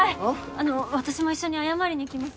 あのう私も一緒に謝りに行きます。